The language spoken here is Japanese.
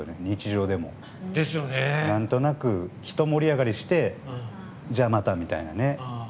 日常でも、なんとなく１盛り上がりしてじゃあまたみたいな。